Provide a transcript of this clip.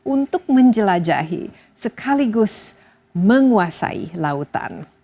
untuk menjelajahi sekaligus menguasai lautan